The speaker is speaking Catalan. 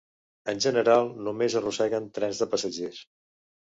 En general, només arrosseguen trens de passatgers.